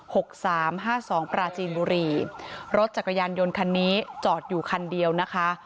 หกสามห้าสองปราจีนบุรีรถจักรยานยนต์คันนี้จอดอยู่คันเดียวนะคะ